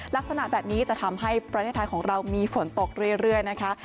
ลักษณะแบบนี้จะทำให้ประเทศไทยของเรามีฝนตกเรื่อยนะคะ